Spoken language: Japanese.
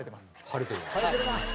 晴れてるな。